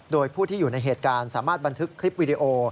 โดยผู้ที่อยู่ในเหตุการณ์สามารถบันทึกคลิปวิดีโอ